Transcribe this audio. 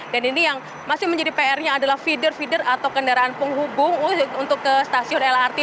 dan ini yang masih menjadi pr nya adalah feeder feeder atau kendaraan penghubung untuk ke stasiun lrt